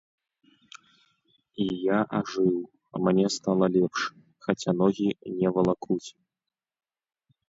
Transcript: І я ажыў, мне стала лепш, хаця ногі не валакуць.